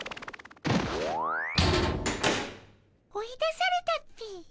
追い出されたっピ。